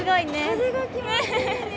風が気持ちいいね。